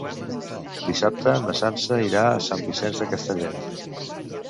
Dissabte na Sança irà a Sant Vicenç de Castellet.